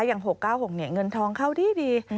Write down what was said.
อย่าง๖๙๖เงินทองเขาดี